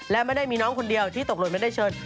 และไม่ได้มีน้องคนเดียวที่ตกหล่นไม่ได้เชิญ